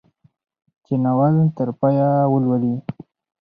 چې ناول تر پايه ولولي.